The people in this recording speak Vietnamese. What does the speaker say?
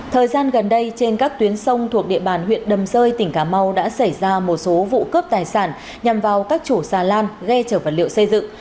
thời gian gần đây trên các tuyến sông thuộc địa bàn huyện đầm rơi tỉnh cà mau đã xảy ra một số vụ cướp tài sản nhằm vào các chủ xà lan ghe chở vật liệu xây dựng